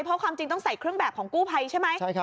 เพราะความจริงต้องใส่เครื่องแบบของกู้ภัยใช่ไหม